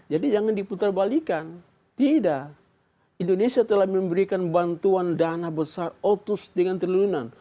jadi jangan diputarbalikan tidak indonesia telah memberikan bantuan dana besar otus dengan terlunan